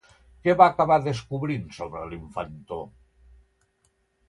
Què va acabar descobrint sobre l'infantó?